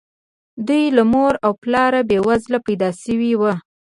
دوی له مور او پلاره بې وزله پيدا شوي وو.